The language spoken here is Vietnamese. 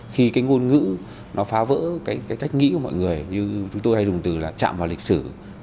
khi cái ngôn ngữ nó phá vỡ cái cách nghĩ của mọi người như chúng tôi hay dùng từ là chạm vào lịch sử